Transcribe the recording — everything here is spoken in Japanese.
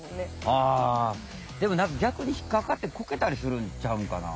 あでも何かぎゃくに引っかかってこけたりするんちゃうんかな？